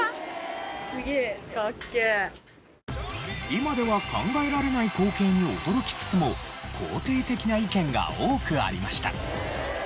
今では考えられない光景に驚きつつも肯定的な意見が多くありました。